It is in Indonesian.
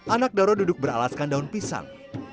anak doro duduk beralaskan daun pisang